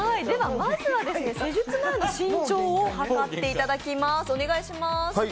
まずは施術前の身長を測っていただきます。